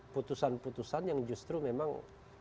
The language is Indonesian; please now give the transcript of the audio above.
putusan putusan yang justru memang